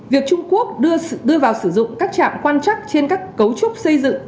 việc trung quốc đưa vào sử dụng các trạm quan chắc trên các cấu trúc xây dựng